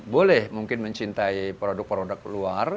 boleh mungkin mencintai produk produk luar